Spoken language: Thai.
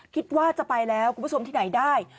คิดว่าจะไปแล้วคุณผู้ชมที่ไหนได้